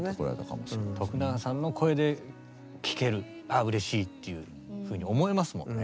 永さんの声で聴けるああうれしいっていうふうに思えますもんね。